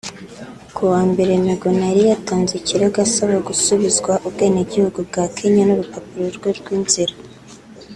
Ku wa Mbere Miguna yari yatanze ikirego asaba gusubizwa ubwenegihugu bwa Kenya n’urupapuro rwe rw’inzira